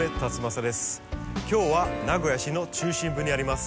今日は名古屋市の中心部にあります